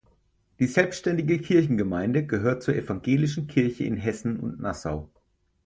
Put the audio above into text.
Die selbständige Kirchengemeinde gehört zur Evangelischen Kirche in Hessen und Nassau.